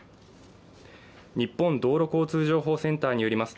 日本道路交通情報センターによりますと